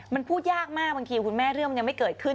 มันพูดยากมากบางทีคุณแม่เรื่องมันยังไม่เกิดขึ้น